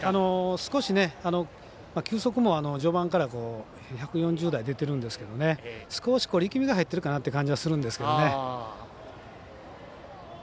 少し球速も序盤から１４０台出てるんですけど少し力みが入ってるかなという感じがするんですけどね。